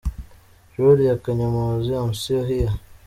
Juliana Kanyomozi – I’m Still Heree.